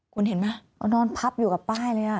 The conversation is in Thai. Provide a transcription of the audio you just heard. คุณเห็นไหมพับอยู่กับป้ายเลย